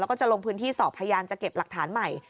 แล้วก็จะลงพื้นที่สอบพยานจะเก็บหลักฐานใหม่